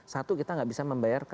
satu kita nggak bisa membayar